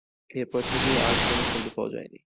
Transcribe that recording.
এরপর থেকে আর কোনো শব্দ পাওয়া যায়নি।